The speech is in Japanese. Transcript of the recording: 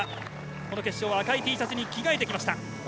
この決勝は赤いＴシャツに着替えてきました。